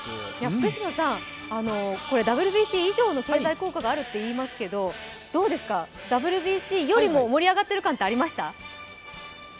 福嶌さん、ＷＢＣ以上の経済効果があるともいわれますけどＷＢＣよりも盛り上がってる感ってありました？